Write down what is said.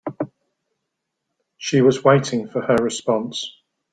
She was waiting for her response.